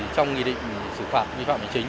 trong nghi định xử phạt vi phạm chính